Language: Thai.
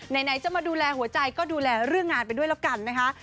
ไหนจะมาดูแลหัวใจก็ดูแลเรื่องงานไปด้วยแล้วกันนะคะ